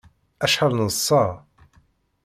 Acḥal neḍsa!